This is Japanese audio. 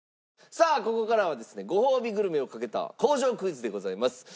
さあここからはですねごほうびグルメをかけた工場クイズでございます。